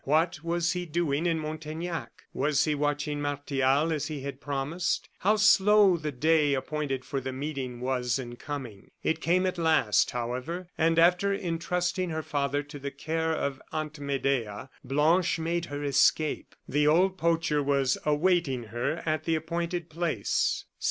What was he doing in Montaignac? Was he watching Martial as he had promised? How slow the day appointed for the meeting was in coming! It came at last, however, and after intrusting her father to the care of Aunt Medea, Blanche made her escape. The old poacher was awaiting her at the appointed place.